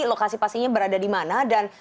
lokasi pastinya berada di mana dan